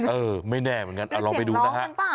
เออไม่แน่เหมือนกันเอาลองไปดูนะฮะ